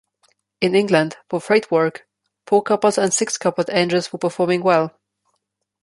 In England, for freight work, four-coupled and six-coupled engines were performing well.